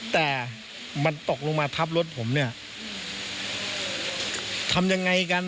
แต่มันตกลงมาทับรถผมเนี่ยทำยังไงกัน